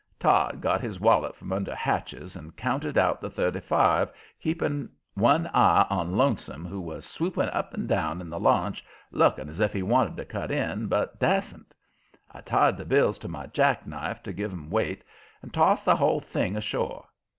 Todd got his wallet from under hatches and counted out the thirty five, keeping one eye on Lonesome, who was swooping up and down in the launch looking as if he wanted to cut in, but dasn't. I tied the bills to my jack knife, to give 'em weight, and tossed the whole thing ashore.